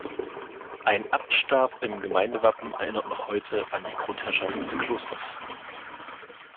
Ein Abtstab im Gemeindewappen erinnert noch heute an die Grundherrschaft des Klosters.